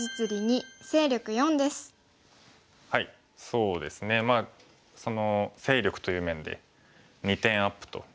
そうですねまあ勢力という面で２点アップと。